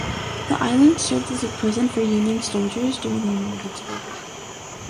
The island served as a prison for Union soldiers during the American Civil War.